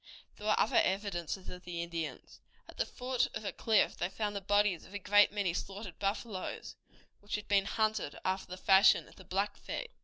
There were other evidences of the Indians. At the foot of a cliff they found the bodies of a great many slaughtered buffaloes, which had been hunted after the fashion of the Blackfeet.